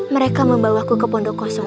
mereka membawaku ke pondok kosong